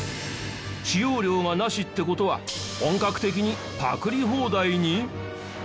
使用料がなしって事は本格的にパクリ放題に！？